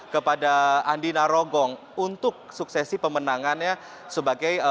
kepada andi narogong untuk suksesi pemenangannya sebagai